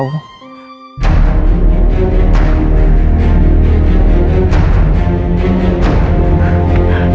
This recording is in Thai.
พีลา